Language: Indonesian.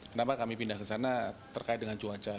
kenapa kami pindah ke sana terkait dengan cuaca